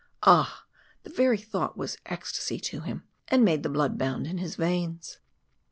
Ah! the very thought was ecstasy to him, and made the blood bound in his veins.